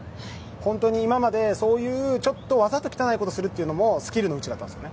本当に今までそういうちょっとわざと汚いことをするのもスキルのうちだったんです。